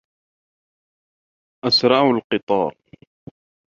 أَسْرَعُ الْقِطَارُ.